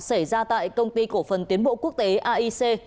xảy ra tại công ty cổ phần tiến bộ quốc tế aic